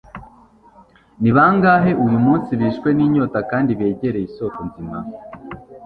Ni bangahe uyu munsi bishwe n’inyota kandi begereye isoko nzima,